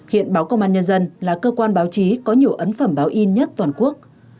hiện báo công an nhân dân là cơ quan báo chí có nhiều ấn phẩm báo in nhất toàn quốc